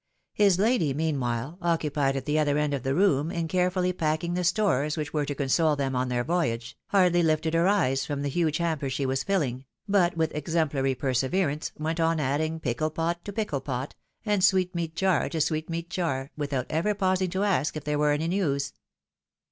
His lady, meanwhile. Occupied at the other end of the room in carefully packing the stores which were to console them on their voyage, hardly lifted her eyes from the huge hamper she was filling, but, with exemplary perseverance, went on adding pickle pot to pickle pot, and sweetmeat jar to sweet meat jar, without ever pausing to ask if there were any news.